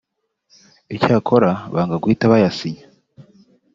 icyakora banga guhita bayasinya